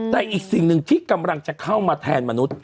แต่อีกสิ่งหนึ่งที่กำลังจะเข้ามาแทนมนุษย